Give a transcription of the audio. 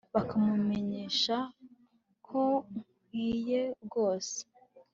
kumumenyesha ko nkwiye rwose